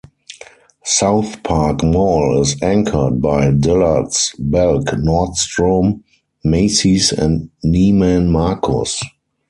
SouthPark Mall is anchored by Dillard's, Belk, Nordstrom, Macy's and Neiman Marcus.